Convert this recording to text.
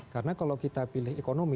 karena kalau kita pilih ekonomi